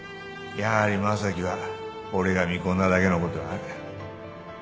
やはり正樹は俺が見込んだだけのことはある。